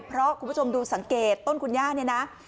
เพราะคุณผู้ชมดูสังเกตต้นคุณย่าเนี่ยนะ